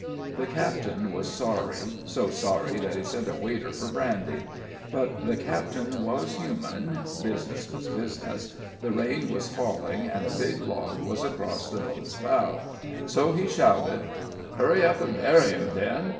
The captain was sorry, so sorry that he sent a waiter for brandy. But the captain was human business was business the rain was falling, and a big log was across the boat's bow; so he shouted: "Hurry up and bury 'em, then.